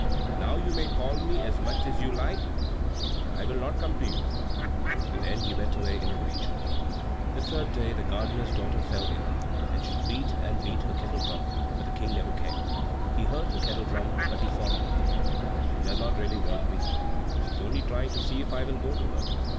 Now you may call me as much as you like, but I will not come to you," and then he went away in a rage. The third day the gardener's daughter fell ill, and she beat and beat her kettle drum; but the King never came. He heard her kettle drum, but he thought, "She does not really want me; she is only trying to see if I will go to her."